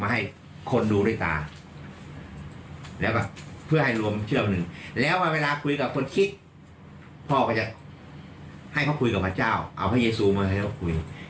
ให้เขาคุยกับพระเจ้าเอาพระเยซูมาให้เขาคุย